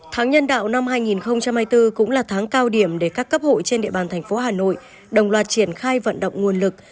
tháng nhân đạo năm hai nghìn hai mươi bốn cũng là tháng cao điểm để các cấp hội trên địa bàn thành phố hà nội đồng loạt triển khai vận động nguồn lực